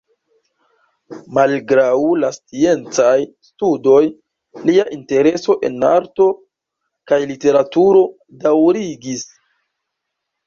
Malgraŭ la sciencaj studoj, lia intereso en arto kaj literaturo daŭrigis.